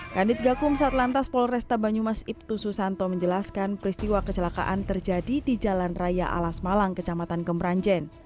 kandit gakum satlantas polresta banyumas ibtu susanto menjelaskan peristiwa kecelakaan terjadi di jalan raya alas malang kecamatan kemranjen